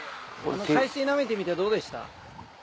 海水なめてみてどうでした？